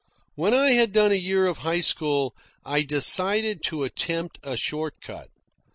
When I had done a year of high school, I decided to attempt a short cut.